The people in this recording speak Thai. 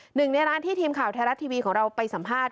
หนึ่งในร้านที่ทีมข่าวไทยรัฐทีวีของเราไปสัมภาษณ